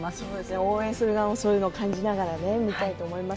応援する側もそういうのを感じながら見たいと思います。